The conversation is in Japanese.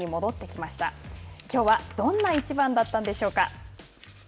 きょうはどんな一番だったんでしょうか。